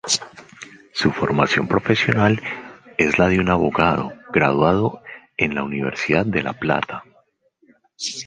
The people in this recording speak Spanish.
Su formación profesional es la de abogado, graduado en la Universidad de La Plata.